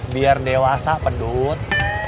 biar dewasa pendut